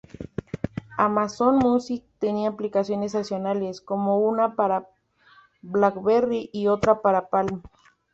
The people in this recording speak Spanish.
Amazon Music tenía aplicaciones adicionales, como una para Blackberry y otra para Palm.